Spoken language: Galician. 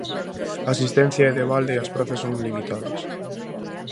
A asistencia é de balde e as prazas son limitadas.